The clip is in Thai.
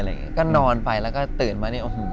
อะไรอย่างเงี้ยก็นอนไปแล้วก็ตื่นมาเนี้ยโอ้โห